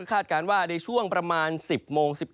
คาดการณ์ว่าในช่วงประมาณ๑๐โมง